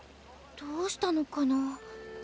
どうしたのかな？